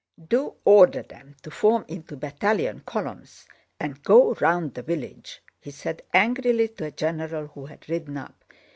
"Do order them to form into battalion columns and go round the village!" he said angrily to a general who had ridden up.